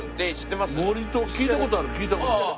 聞いた事ある聞いた事ある。